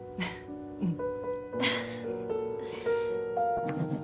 うん。